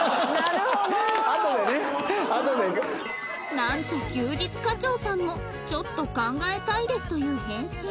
なんと休日課長さんも「ちょっと考えたいです」という返信